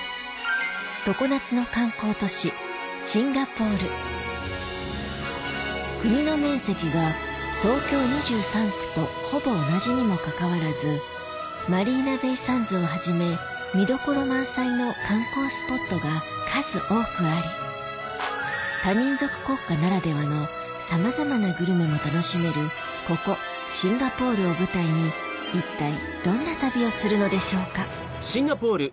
常夏の観光都市国の面積が東京２３区とほぼ同じにもかかわらずマリーナベイ・サンズをはじめ見どころ満載の観光スポットが数多くあり多民族国家ならではのさまざまなグルメを楽しめるここシンガポールを舞台に一体どんな旅をするのでしょうか？